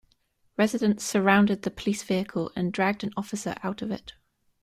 Residents surrounded the police vehicle and dragged an officer out of it.